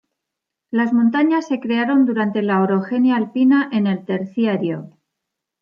Las montañas se crearon durante la Orogenia alpina en el Terciario.